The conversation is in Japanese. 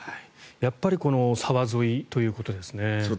やっぱりこの沢沿いということですね。